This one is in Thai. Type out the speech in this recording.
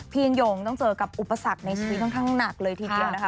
ยังยงต้องเจอกับอุปสรรคในชีวิตค่อนข้างหนักเลยทีเดียวนะคะ